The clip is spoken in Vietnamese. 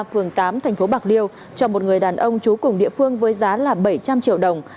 phường tám thành phố bạc liêu cho một người đàn ông trú cùng địa phương với giá là bảy trăm linh triệu đồng